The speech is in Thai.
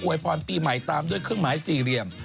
วยพรปีใหม่ตามด้วยเครื่องหมายสี่เหลี่ยม